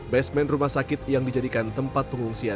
basemen rumah sakit yang dijadikan tempat pengungsi